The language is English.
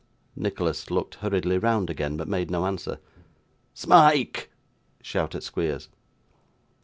Nicholas looked hurriedly round again, but made no answer. 'Smike!' shouted Squeers.